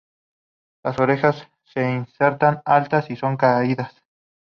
Las orejas se insertan altas y son caídas.